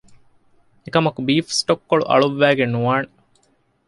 އެކަމަކު ބީފް ސްޓޮކް ކޮޅު އަޅުއްވައިގެން ނުވާނެ